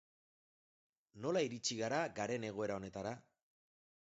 Nola iritsi gara iritsi garen egoera honetara?